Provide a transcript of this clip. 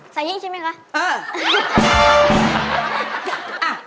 ใส่ทิ้งใช่ไหมคะเออ